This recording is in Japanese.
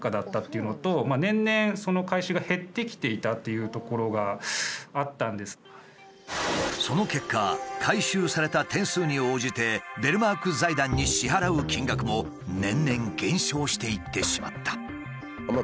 もともとその結果回収された点数に応じてベルマーク財団に支払う金額も年々減少していってしまった。